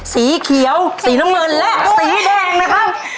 สีเขียวสีน้ำเงินและสีแดงนะครับ